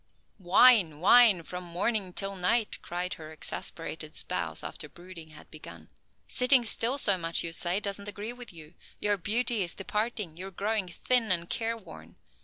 "Whine, whine from morning till night!" cried her exasperated spouse after brooding had begun. "Sitting still so much, you say, doesn't agree with you. Your beauty is departing! You are growing thin and careworn!